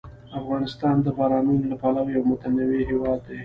افغانستان د بارانونو له پلوه یو متنوع هېواد دی.